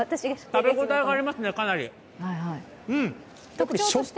食べ応えがありますね、かなり。